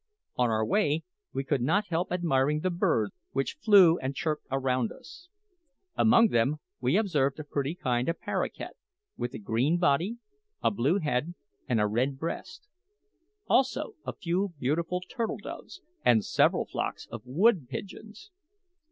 On our way we could not help admiring the birds which flew and chirped around us. Among them we observed a pretty kind of paroquet, with a green body, a blue head, and a red breast; also a few beautiful turtle doves, and several flocks of wood pigeons.